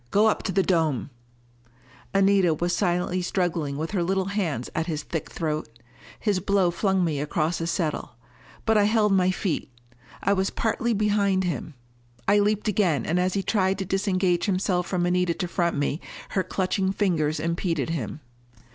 Go up to the dome " Anita was silently struggling with her little hands at his thick throat. His blow flung me against a settle. But I held my feet. I was partly behind him. I leaped again, and as he tried to disengage himself from Anita to front me, her clutching fingers impeded him.